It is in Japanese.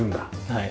はい。